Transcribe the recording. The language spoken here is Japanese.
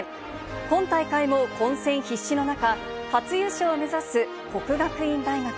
今大会も混戦必至の中、初優勝を目指す國學院大学。